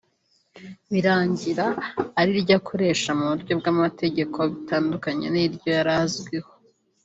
birangira ari ryo akoresha mu buryo bw’amategeko bitandukanye n’iryo yari azwiho